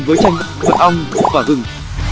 với chanh vật ong và gừng